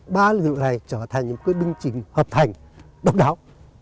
ba lực lượng này trở thành những quy định hợp thành độc đáo